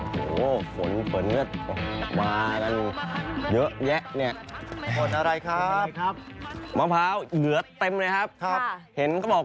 ผู้หญิงที่คอนไวท์เปล่าขั้นปีเซ็นมากข